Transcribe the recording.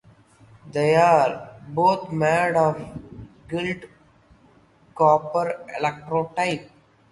They are both made of gilt copper electrotype.